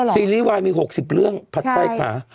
ซีรีส์วายมี๖๐เรื่องผัดใต้ขา